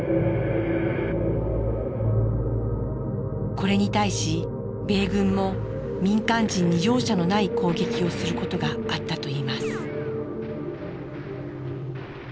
これに対し米軍も民間人に容赦のない攻撃をすることがあったといいます。